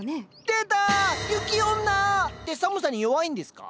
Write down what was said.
出た雪女！って寒さに弱いんですか？